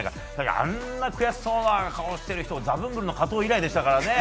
あんな悔しそうな顔をしている人はザブングルの加藤ぐらいですからね。